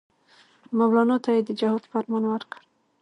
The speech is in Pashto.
مولنا ته یې د جهاد فرمان ورکړ.